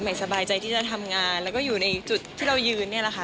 สบายใจที่จะทำงานแล้วก็อยู่ในจุดที่เรายืนเนี่ยแหละค่ะ